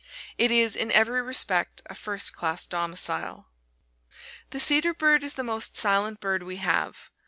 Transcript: It is in every respect a first class domicile. The cedar bird is the most silent bird we have.